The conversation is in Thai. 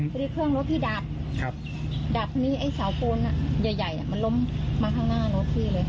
พอดีเครื่องรถพี่ดับครับดับพอดีไอ้เสาปูนอ่ะใหญ่ใหญ่อ่ะมันล้มมาข้างหน้ารถพี่เลย